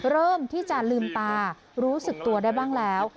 เริ่มที่จะลืมตารู้สึกตัวได้บ้างแล้ว